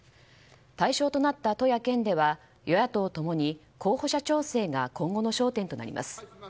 対象となった都や県では与野党ともに、候補者調整が今後の焦点となります。